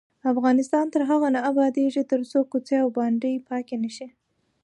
افغانستان تر هغو نه ابادیږي، ترڅو کوڅې او بانډې پاکې نشي.